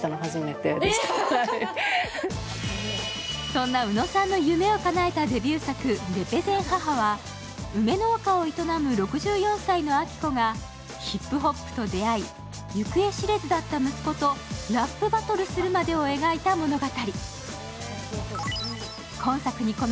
そんな宇野さんの夢をかなえたデビュー作「レペゼン母」は梅農家を営む６４歳の明子がヒップホップと出会い、行方知らずだった息子とラップバトルするまでを描いた物語。